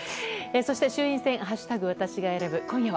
そして、衆院選「＃私が選ぶ」今夜は。